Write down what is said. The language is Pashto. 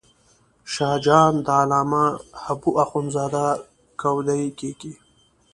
شاه جان د علامه حبو اخند زاده کودی کېږي.